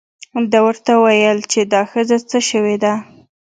ده ورته وویل چې دا ښځه څه شوې ده.